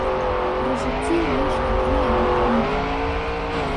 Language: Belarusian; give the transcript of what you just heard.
Пры жыцці выйшлі тры яго кнігі.